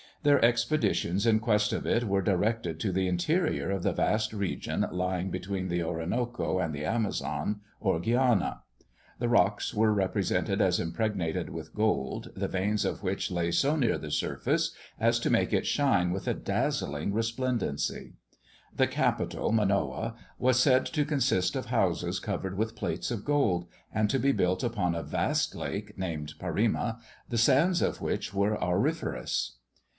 Their expeditions in quest of it were directed to the interior of the vast region lying between the Orinoco and the Amazon, or Guiana. The rocks were represented as impregnated with gold, the veins of which lay so near the surface as to make it shine with a dazzling resplendency. The capital, Manoa, was said to consist of houses covered with plates of gold, and to be built upon a vast lake, named Parima, the sands of which were auriferous.